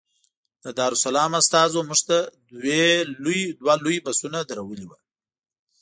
د دارالسلام استازو موږ ته دوه لوی بسونه درولي وو.